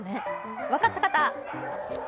分かった方！